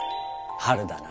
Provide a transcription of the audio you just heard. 春だな。